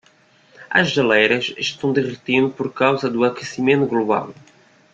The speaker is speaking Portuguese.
As geleiras estão derretendo por causa do aquecimento global.